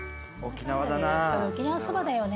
沖縄そばだよね。